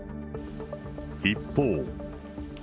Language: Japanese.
一方。